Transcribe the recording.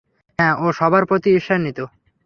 হ্যাঁ, ও সবার প্রতিই ঈর্ষান্বিত।